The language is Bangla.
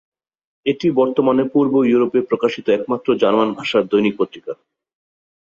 এটি বর্তমানে পূর্ব ইউরোপে প্রকাশিত একমাত্র জার্মান ভাষার দৈনিক পত্রিকা।